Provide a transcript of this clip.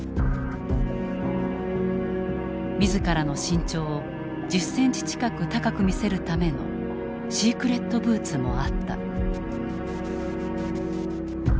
自らの身長を１０ｃｍ近く高く見せるためのシークレットブーツもあった。